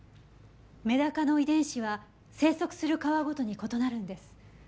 メダカの遺伝子は生息する川ごとに異なるんです。